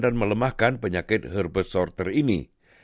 dan melemahkan penyakit herpes sorter ini